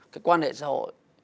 cái quan hệ xã hội